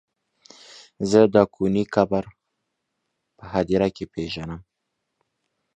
زه د کوني قبر په هديره کې پيژنم.